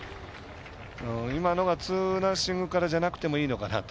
今のがツーナッシングからでなくてもいいのかなと。